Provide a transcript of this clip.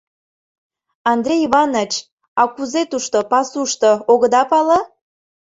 — Андрей Иваныч, а кузе тушто, пасушто, огыда пале?